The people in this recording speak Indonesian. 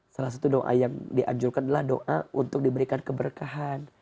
salah satu doa yang dianjurkan adalah doa untuk diberikan keberkahan